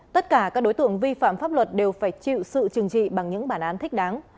tất cả các đối tượng vi phạm pháp luật đều phải chịu sự trừng trị bằng những bản án thích đáng